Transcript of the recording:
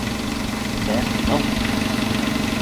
Ben, ¿non?